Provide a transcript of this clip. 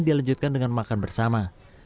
dan dilanjutkan dengan makan bersama